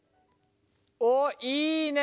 おおいいね！